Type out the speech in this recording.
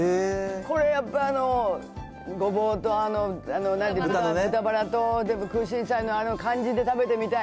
これやっぱ、ごぼうとあの、豚バラと、空心菜のあの感じで食べてみたい。